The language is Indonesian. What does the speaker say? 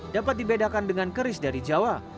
dapat dibedakan dengan keris dari jawa